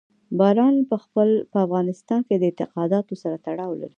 باران په افغانستان کې له اعتقاداتو سره تړاو لري.